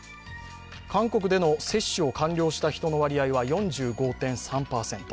韓国での接種を完了した人の割合は４５．３％。